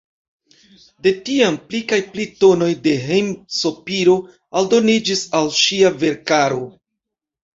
De tiam pli kaj pli tonoj de hejm-sopiro aldoniĝis al ŝia verkaro.